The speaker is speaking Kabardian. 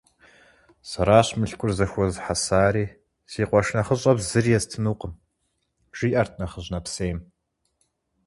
- Сэращ мылъкур зэхуэзыхьэсари, си къуэш нэхъыщӀэм зыри естынукъым, - жиӀэрт нэхъыжь нэпсейм.